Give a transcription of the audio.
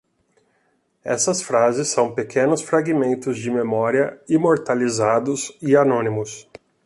Essas frases são pequenos fragmentos de memória, imortalizados, e anônimos.